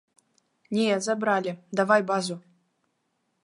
Не, забралі, давай базу.